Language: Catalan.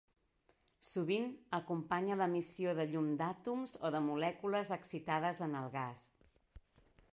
Sovint acompanya l'emissió de llum d'àtoms o de molècules excitades en el gas.